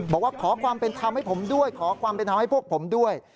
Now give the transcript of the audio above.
บอกว่าขอความเป็นธรรมให้ผมด้วย